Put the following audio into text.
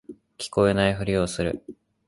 聞こえないふりをする